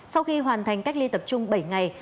sau khi hoàn thành cách ly tập trung bảy ngày